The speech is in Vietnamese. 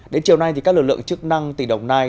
đến chiều nay các lực lượng chức năng tỉ đồng nai